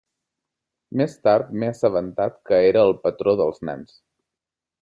Més tard m'he assabentat que era el patró dels nens.